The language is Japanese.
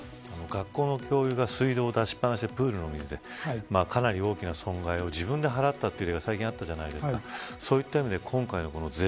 学校の教諭が水道を出しっぱなしでプールの水かなり大きな損害を自分で払った例が最近あったじゃないですか。